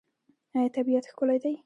آیا طبیعت ښکلی دی؟